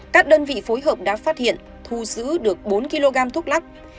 các đơn vị phối hợp đã phát hiện thu giữ được bốn kg thuốc lắc